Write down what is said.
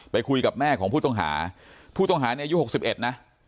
ไปคุยกับแม่ของผู้ต้องหาผู้ต้องหาเนี่ยอายุ๖๑นะ